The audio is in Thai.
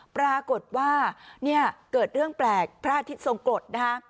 ปรากฏว่าเกิดเรื่องแปลกพระอาทิตย์ทรงกฤษ